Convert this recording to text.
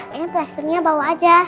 pokoknya plasternya bawa aja